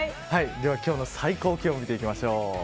では、今日の最高見ていきましょう。